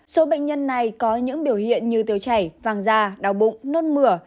số bệnh nhân này có những biểu hiện như tiêu chảy vàng da đau bụng nôn mửa